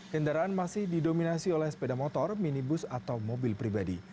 kendaraan masih didominasi oleh sepeda motor minibus atau mobil pribadi